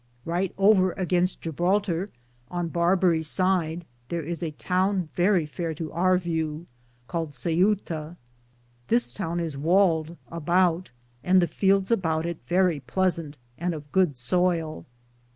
Ryghte over againste Jeblatore, on Barbarie side, thar is a towne verrie fayer to our vew, caled Shutte.^ This towne is waled aboute, and the feldes about it verrie pleasante, and of good soyle.